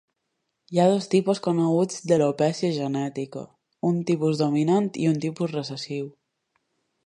Hi ha dos tipus coneguts d'alopècia genètica, un tipus dominant i un tipus recessiu.